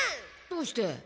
どうして？